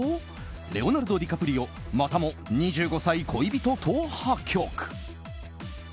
レオナルド・ディカプリオまたも２５歳恋人と破局。